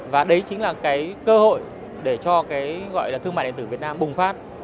và đấy chính là cái cơ hội để cho cái gọi là thương mại điện tử việt nam bùng phát